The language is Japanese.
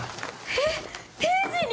えっ定時に？